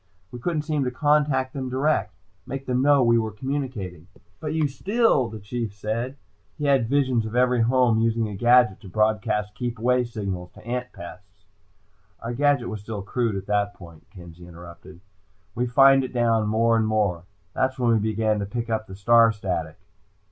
We couldn't seem to contact them direct make them know we were communicating." "But you still " the Chief said. He had visions of every home using a gadget to broadcast "keep away" signals to ant pests. "Our gadget was still crude at that point," Kenzie interrupted. "We fined it down, more and more. That's when we began to pick up the star static."